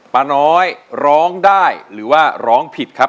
ป้าน้อยร้องได้หรือว่าร้องผิดครับ